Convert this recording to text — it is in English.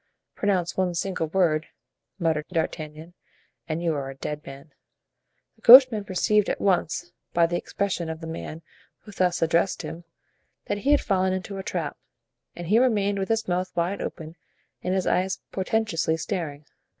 "Pronounce one single word," muttered D'Artagnan, "and you are a dead man." The coachman perceived at once, by the expression of the man who thus addressed him, that he had fallen into a trap, and he remained with his mouth wide open and his eyes portentously staring.